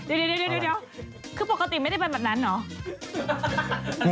เดี๋ยวคือปกติไม่ได้เป็นแบบนั้นเหรอ